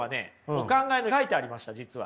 お考えに書いてありました実は。